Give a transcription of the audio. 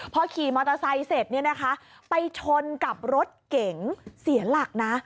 พอขี่มอเตอร์ไซต์เสร็จไปชนกับรถเก๋งเสียหลักนะ